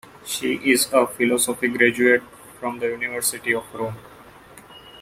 She is a philosophy graduate from the University of Rome.